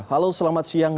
halo selamat siang